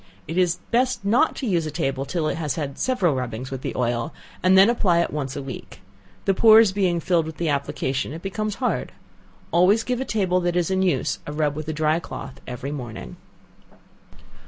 It is best not to use a table till it has had several rubbings with the oil, and then apply it once a week. The pores being filled with the application it becomes hard. Always give a table that is in use a rub with a dry cloth every morning.